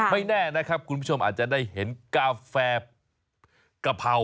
ไม่แน่นะครับคุณผู้ชมอาจจะได้เห็นกาแฟกะเพรา